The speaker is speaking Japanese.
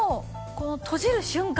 この閉じる瞬間